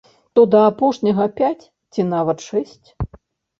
То да апошняга пяць ці нават шэсць.